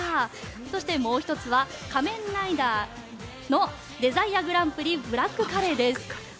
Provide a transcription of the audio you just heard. そしてもう１つは「仮面ライダー」のデザイアグランプリブラックカレーです。